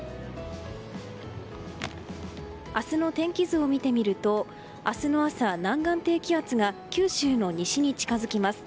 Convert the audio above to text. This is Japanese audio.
明日の天気図を見てみると明日の朝、南岸低気圧が九州の西に近づきます。